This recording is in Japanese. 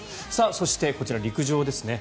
そして、こちら陸上ですね。